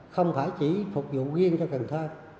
không phải chỉ phục vụ riêng cho cần thơ